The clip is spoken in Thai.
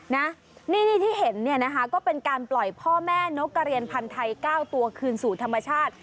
นี่ที่เห็นเนี่ยนะคะก็เป็นการปล่อยพ่อแม่นกกระเรียนพันธ์ไทย๙ตัวคืนสู่ธรรมชาติ